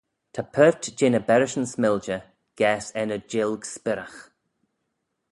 Ta paart jeh ny berrishyn s'miljey gaase er ny jilg s'birragh.